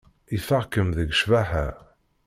Ifeɣ-kem deg ccbaḥa.